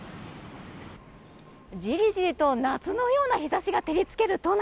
じりじりと夏のような日差しが照り付ける都内。